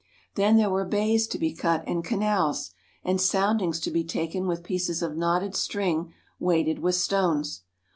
Then there were bays to be cut and canals, and soundings to be taken with pieces of knotted string weighted with stones.